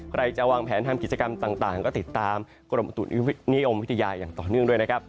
ใครจะวางแผนทำกิจกรรมต่างก็ติดตามกรมอุตุนิยมวิทยาอย่างต่อเนื่องด้วยนะครับ